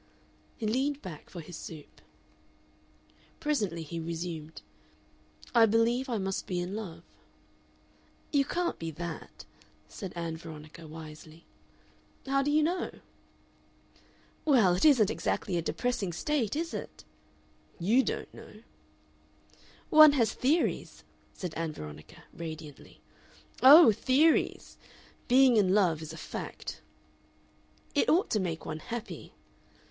He leaned back for his soup. Presently he resumed: "I believe I must be in love." "You can't be that," said Ann Veronica, wisely. "How do you know?" "Well, it isn't exactly a depressing state, is it?" "YOU don't know." "One has theories," said Ann Veronica, radiantly. "Oh, theories! Being in love is a fact." "It ought to make one happy."